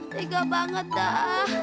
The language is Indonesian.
tiga banget dah